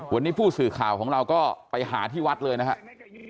วันนี้ผู้สื่อข่าวของเราก็ไปหาที่วัดเลยนะครับ